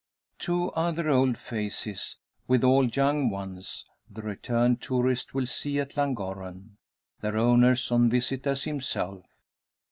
Two other old faces, withal young ones, the returned tourist will see at Llangorren their owners on visit as himself.